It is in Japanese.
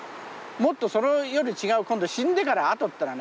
もっとそれより違う今度死んでからあとってのはね